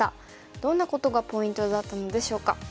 どんなことがポイントだったのでしょうか。